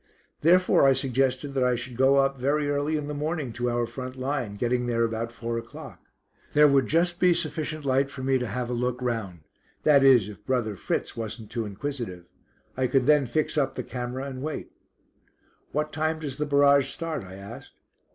Therefore I suggested that I should go up very early in the morning to our front line, getting there about four o'clock. There would just be sufficient light for me to have a look round, that is if Brother Fritz wasn't too inquisitive. I could then fix up the camera and wait. "What time does the barrage start?" I asked.